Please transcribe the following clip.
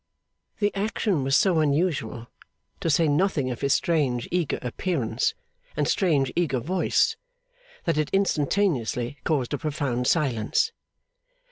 The action was so unusual, to say nothing of his strange eager appearance and strange eager voice, that it instantaneously caused a profound silence.